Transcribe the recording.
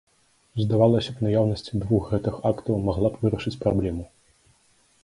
Здавалася б, наяўнасць двух гэтых актаў магла б вырашыць праблему.